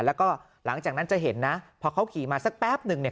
แล้วก็หลังจากนั้นจะเห็นนะพอเขาขี่มาสักแป๊บหนึ่งเนี่ย